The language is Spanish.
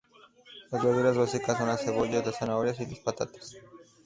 Las verduras básicas son las cebollas, las zanahorias y las patatas.